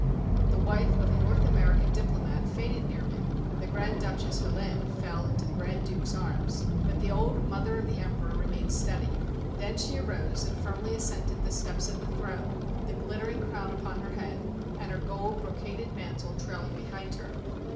The wife of a North American diplomat fainted near me, the Grand Duchess Helena fell into the grand duke's arms, but the old mother of the 205 RUSSIA emperor remained steady. Then she arose and firmly ascended the steps of the throne, the gHttering crown upon her head and her gold brocaded mantle trailing behind her.